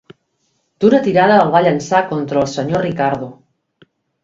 D'una tirada el va llançar contra el senyor Ricardo.